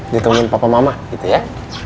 ditemuin papa mama gitu ya